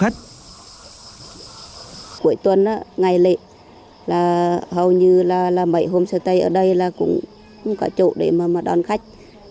cho nhiều du khách